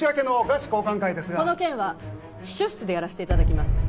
この件は秘書室でやらせて頂きます。